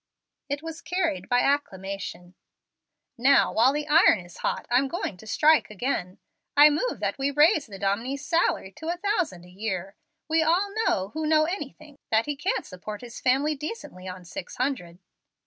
It was carried by acclamation. "Now, while the iron is hot, I'm going to strike again. I move that we raise the dominie's salary to a thousand a year. We all know, who know anything, that he can't support his family decently on six hundred."